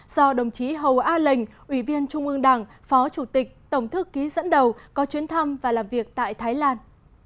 do đồng chí hầu a lệnh ủy viên trung ương đảng phó chủ tịch tổng thư ký dẫn đầu có chuyến thăm và làm việc tại thái lan